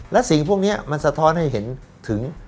และสิ่งพวกนี้มันสะท้อนให้เห็นถึง